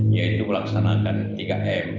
ya itu melaksanakan tiga m